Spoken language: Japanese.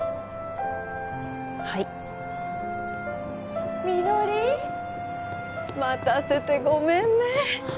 はい実梨待たせてごめんね